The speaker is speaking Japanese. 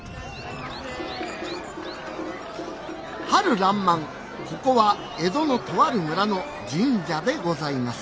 春爛漫ここは江戸のとある村の神社でございます